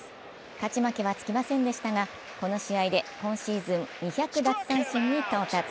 勝ち負けはつきませんでしたが、この試合で今シーズン２００奪三振に透徹。